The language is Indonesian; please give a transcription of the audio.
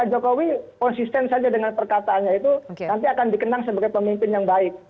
pak jokowi konsisten saja dengan perkataannya itu nanti akan dikenang sebagai pemimpin yang baik